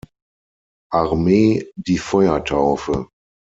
Armee die Feuertaufe.